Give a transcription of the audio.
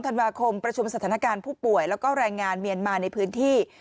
ธันวาคมประชุมสถานการณ์ผู้ป่วยแล้วก็แรงงานเมียนมาในพื้นที่